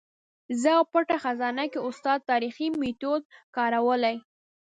زه او پټه خزانه کې استاد تاریخي میتود کارولی.